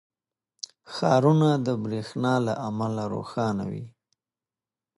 • ښارونه د برېښنا له امله روښانه وي.